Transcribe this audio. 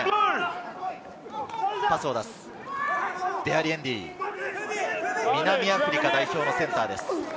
パスを出す、デアリエンディ、南アフリカ代表のセンターです。